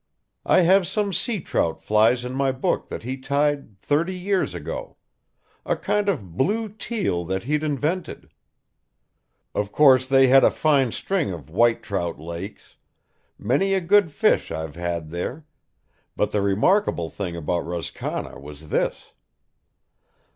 I have some sea trout flies in my book that he tied thirty years ago ... a kind of blue teal that he'd invented. Of course they had a fine string of white trout lakes many a good fish I've had there but the remarkable thing about Roscarna was this.